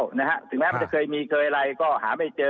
นะฮะถึงแม้มันจะเคยมีเคยอะไรก็หาไม่เจอ